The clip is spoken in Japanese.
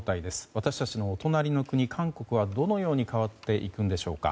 私たちのお隣の国、韓国はどのように変わっていくんでしょうか。